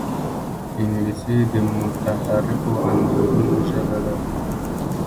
انګلیسي د متحرکو انځورونو ژبه ده